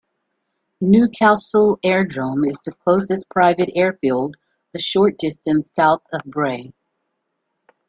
Newcastle Aerodrome is the closest private airfield a short distance south of Bray.